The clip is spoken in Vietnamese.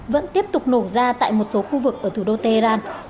vẫn tiếp tục nổ ra tại một số khu vực ở thủ đô tehran